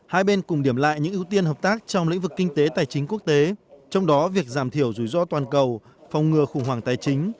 hai bên cùng điểm lại những ưu tiên hợp tác trong lĩnh vực kinh tế tài chính quốc tế trong đó việc giảm thiểu rủi ro toàn cầu phòng ngừa khủng hoảng tài chính